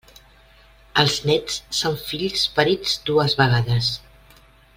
Els néts són fills parits dues vegades.